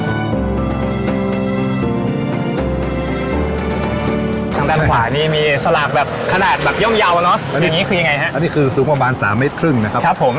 ทางด้านขวานี่มีสลากแบบขนาดแบบย่อมเยาวเนอะแล้วอย่างนี้คือยังไงฮะอันนี้คือสูงประมาณสามเมตรครึ่งนะครับครับผม